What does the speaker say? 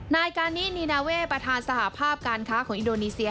นายกานินีนาเว่ประธานสหภาพการค้าของอินโดนีเซีย